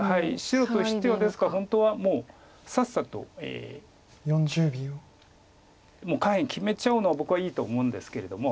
白としてはですから本当はもうさっさともう下辺決めちゃうのは僕はいいと思うんですけれども。